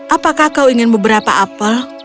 apakah kau ingin beberapa apel